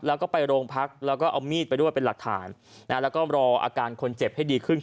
แล้วก็ไปโรงพักแล้วก็เอามีดไปด้วยเป็นหลักฐานแล้วก็รออาการคนเจ็บให้ดีขึ้น